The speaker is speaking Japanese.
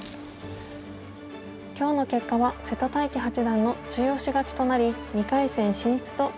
今日の結果は瀬戸大樹八段の中押し勝ちとなり２回戦進出となりました。